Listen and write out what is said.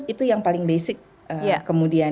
itu yang paling basic kemudian